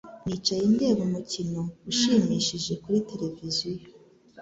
Nicaye ndeba umukino ushimishije kuri tereviziyo.